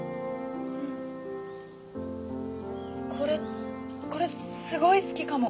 これこれすごい好きかも。